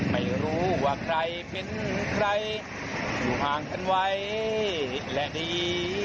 ไม่รู้ว่าใครเป็นใครอยู่ห่างกันไว้และดี